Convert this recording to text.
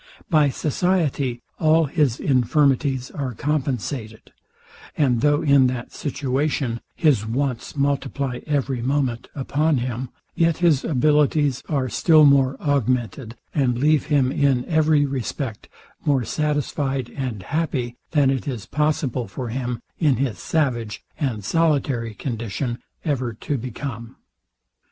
By society all his infirmities are compensated; and though in that situation his wants multiply every moment upon him, yet his abilities are still more augmented, and leave him in every respect more satisfied and happy, than it is possible for him, in his savage and solitary condition, ever to become.